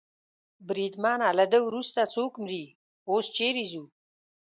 بریدمنه، له ده وروسته څوک مري؟ اوس چېرې ځو؟